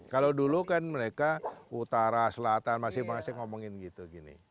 kalau dulu kan mereka utara selatan masih masih ngomongin gitu